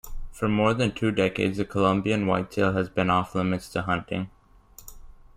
For more than two decades, the Columbian white-tail has been off limits to hunting.